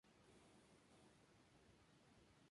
Zhou medita en soledad.